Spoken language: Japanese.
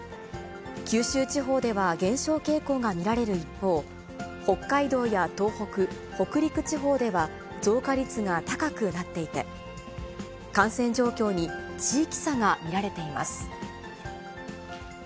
九州地方では減少傾向が見られる一方、北海道や東北、北陸地方では、増加率が高くなっていて、感染状況に地域差が見られています。